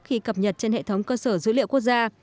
khi cập nhật trên hệ thống cơ sở dữ liệu quốc gia